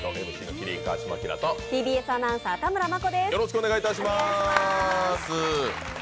麒麟・川島明とＴＢＳアナウンサー・田村真子です。